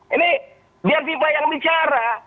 ini biar fifa yang bicara